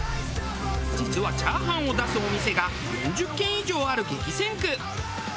実はチャーハンを出すお店が４０軒以上ある激戦区。